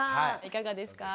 いかがですか？